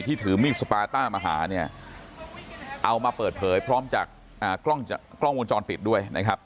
ถือมีดสปาต้ามาหาเนี่ยเอามาเปิดเผยพร้อมจากกล้องวงจรปิดด้วยนะครับ